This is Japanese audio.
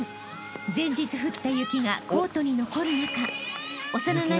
［前日降った雪がコートに残る中］